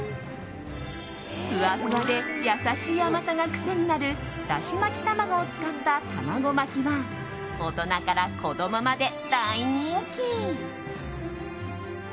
ふわふわで優しい甘さが癖になるだし巻き卵を使ったたまご巻きは大人から子供まで大人気。